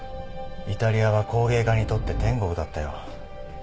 イタリアは工芸家にとって天国だったよ。